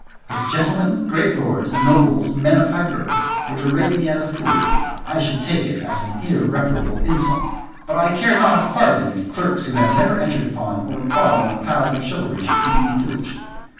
If gentlemen, great lords, nobles, men of high birth, were to rate me as a fool I should take it as an irreparable insult; but I care not a farthing if clerks who have never entered upon or trod the paths of chivalry should think me foolish.